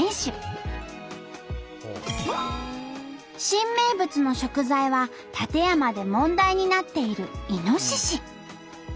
新名物の食材は館山で問題になっているイノシシ。